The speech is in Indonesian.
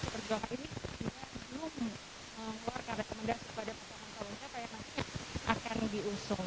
berjuang ini juga belum mengeluarkan rekomendasi kepada pemerintah yang akan diusung